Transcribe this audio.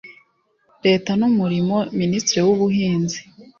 Leta n Umurimo Ministiri w Ubuhinzi